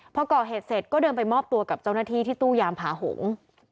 พอก่อเหตุเสร็จก็เดินไปมอบตัวกับเจ้าหน้าที่ที่ตู้ยามผาหงษ์